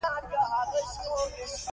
د پوځي نظام مخالفې ټولې ډلې سره جرګه شي.